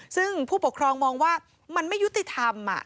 ซึ่งผู้ปกครองมองว่ามันไม่ยุติธรรม